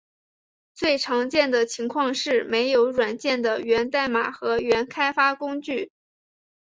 最常见的情况是没有软件的源代码和原开发工具。